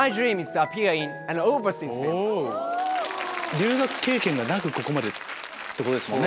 留学経験がなくここまでってことですもんね？